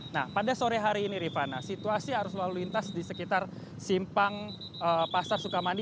nah pada sore hari ini rifana situasi arus lalu lintas di sekitar simpang pasar sukamandi